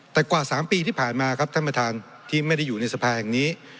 แต่กว่า๓ปีที่ผ่านมาครับท่านประธานที่ไม่ได้อยู่ในสภาแห่งนี้